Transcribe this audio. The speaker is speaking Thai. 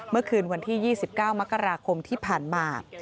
เมื่อคืนวันที่๒๙มกราคมที่ผ่านมา